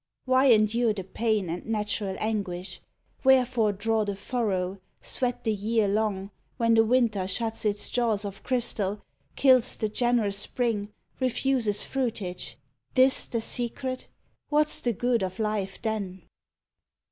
26 AFTER WORD Why endure the pain and natural anguish, Wherefore draw the furrow, sweat the year long, When the winter shuts its jaws of crystal, Kills the generous spring, refuses fruitage This the secret ? What's the good of life then